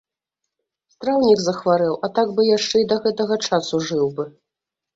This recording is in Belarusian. Страўнік захварэў, а так бы яшчэ і да гэтага часу жыў бы.